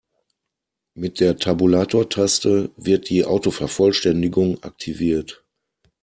Mit der Tabulatortaste wird die Autovervollständigung aktiviert.